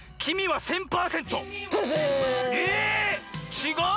ちがう？